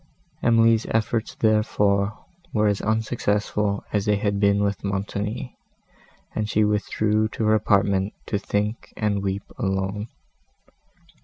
Emily's efforts, therefore, were as unsuccessful as they had been with Montoni, and she withdrew to her apartment to think and weep alone.